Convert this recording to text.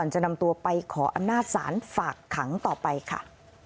จะนำตัวไปขออำนาจศาลฝากขังต่อไปค่ะ